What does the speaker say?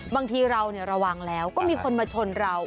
บางทีเราระวังแล้วก็มีคนมาชนเรา